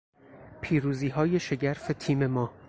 پیروزیهای شگرف تیم ما